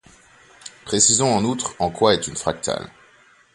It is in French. Précisons en outre en quoi est une fractale.